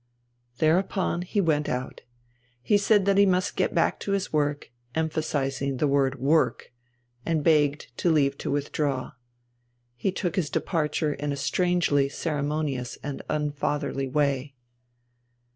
Thereupon he went out. He said that he must get back to his work, emphasizing the word "work," and begged leave to withdraw. He took his departure in a strangely ceremonious and unfatherly way.